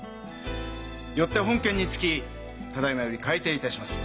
よって本件につきただいまより開廷いたします。